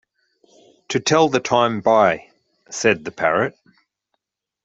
“To tell the time by,” said the parrot.